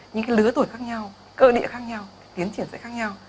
những lứa tuổi khác nhau cơ địa khác nhau tiến triển sẽ khác nhau